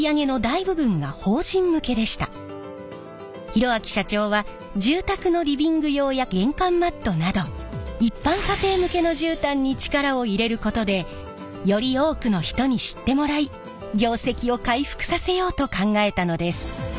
博明社長は住宅のリビング用や玄関マットなど一般家庭向けの絨毯に力を入れることでより多くの人に知ってもらい業績を回復させようと考えたのです。